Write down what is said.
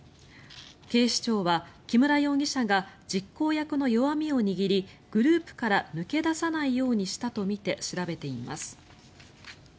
警視庁は木村容疑者が実行役の弱みを握りグループから抜け出さないようにしたとみて調べています。